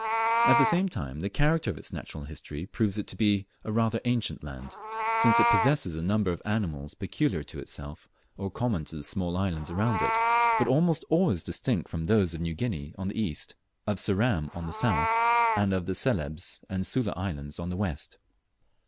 At the same time, the character of its natural history proves it to be a rather ancient land, since it possesses a number of animals peculiar to itself or common to the small islands around it, but almost always distinct from those of New Guinea on the east, of Ceram on the south, and of Celebes and the Sula islands on the west.